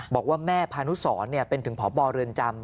บอกว่าแม่พานุสรเป็นถึงพบเรือนจำ